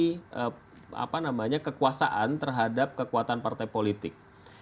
karena adanya intervensi apa namanya kekuasaan terhadap kekuatan partai politik